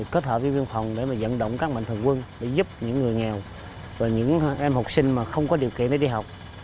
kết hợp với biên phòng để mà dẫn động các mạnh thường quân để giúp những người nghèo và những em học sinh mà không có điều kiện để đi học